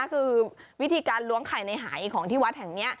คือวิธีการล้วงไข่ในหายของที่วัดแห่งนี้